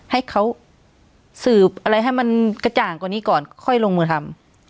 ให้เขาสืบอะไรให้มันกระจ่างกว่านี้ก่อนค่อยลงมือทำ